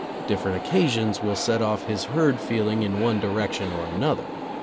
Different occasions will set off his herd feeling in one direction or another.